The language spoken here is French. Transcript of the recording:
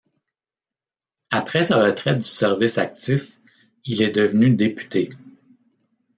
Après sa retraite du service actif, il est devenu député.